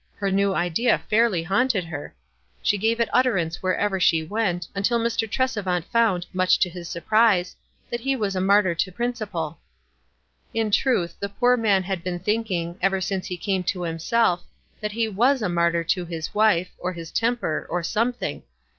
Her new idea fairly haunted her. She gave it utter ance wherever she went, until Mr. Tresevant found, much to his surprise, that he was a mar tyr to principle. In truth, the poor man had been thinking, ever since he came to himself, that he teas a martyr to his wife, or his temper, or something.